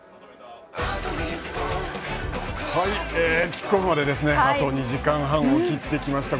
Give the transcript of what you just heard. キックオフまであと２時間半を切りました。